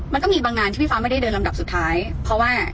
มันก็มีบางงานที่พี่ฟ้าไม่ได้เดินลำดับสุดท้ายเพราะว่า